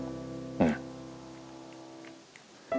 うん。